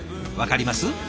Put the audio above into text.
分かります？